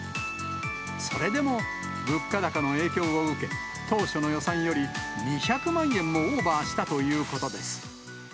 それでも物価高の影響を受け、当初の予算より２００万円もオーバーしたということです。